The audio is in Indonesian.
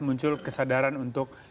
muncul kesadaran untuk